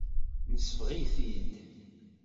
Nesbeɣ-it-id.